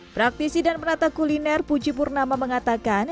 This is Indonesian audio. praktisi dan penata kuliner puji purnama mengatakan